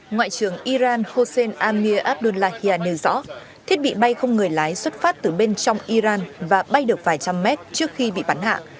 ngoại trưởng iran hossein amir abdullahia nêu rõ thiết bị bay không người lái xuất phát từ bên trong iran và bay được vài trăm mét trước khi bị bắn hạ